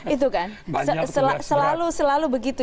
itu kan selalu begitu